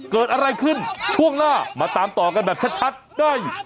เกิดอะไรขึ้นช่วงหน้ามาตามต่อกันแบบชัดได้